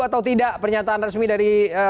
atau tidak pernyataan resmi dari